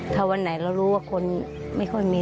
ถ้าวันไหนเรารู้ว่าคนไม่ค่อยมี